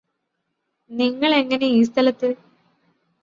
നിങ്ങള് എങ്ങനെ ഈ സ്ഥലത്ത്